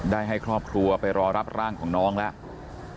ได้ให้ครอบครัวไปรอรับร่างของน้องแล้ว